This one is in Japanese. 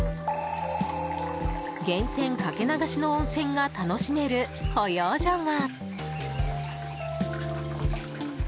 源泉かけ流しの温泉が楽しめる保養所が。